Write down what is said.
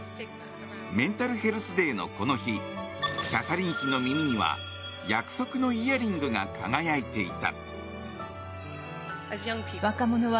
メンタルヘルスデーのこの日キャサリン妃の耳には約束のイヤリングが輝いていた。